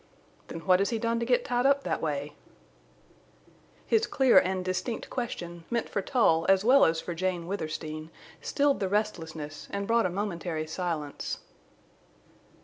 "Then what has he done to get tied up that way?" His clear and distinct question, meant for Tull as well as for Jane Withersteen, stilled the restlessness and brought a momentary silence.